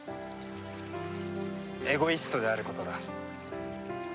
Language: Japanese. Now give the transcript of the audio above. エゴイストであることだ。